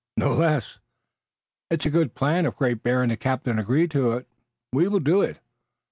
"No less." "It is a good plan. If Great Bear and the captain agree to it we will do it."